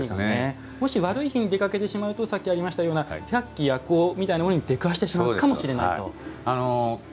もし悪い日に出かけてしまうとさっきありましたような百鬼夜行みたいなものに出くわしてしまうこともあるかもしれないと。